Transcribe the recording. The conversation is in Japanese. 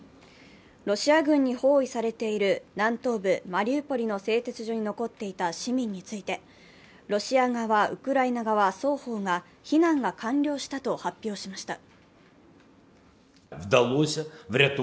ロシア軍に包囲されている南東部マリウポリの製鉄所に残っていた市民について、ロシア側、ウクライナ側双方が避難が完了したと発表しました。